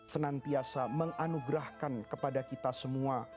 senantiasa menganugerahkan kepada kita semua